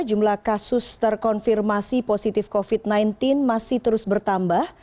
jumlah kasus terkonfirmasi positif covid sembilan belas masih terus bertambah